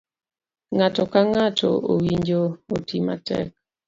Ng'ato ka ng'ato owinjo oti matek.